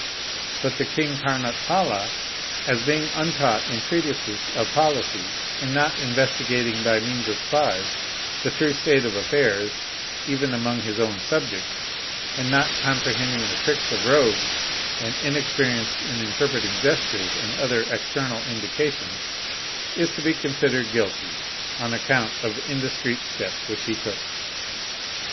But the king Karnotpala, as being untaught in treatises of policy, and not investigating by means of spies the true state of affairs even among his own subjects, and not comprehending the tricks of rogues, and inexperienced in interpreting gestures and other exter nal indications, is to be considered guilty, on account of the indiscreet step which he took."